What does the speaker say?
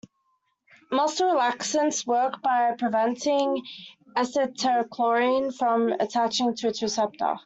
Muscle relaxants work by preventing acetylcholine from attaching to its receptor.